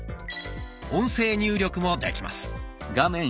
音声入力もできます。